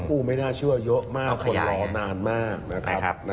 ไม่น่าเชื่อเยอะมากคนรอนานมากนะครับ